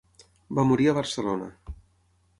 Va morir a Barcelona.